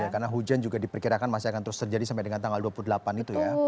karena hujan juga diperkirakan masih akan terus terjadi sampai dengan tanggal dua puluh delapan itu ya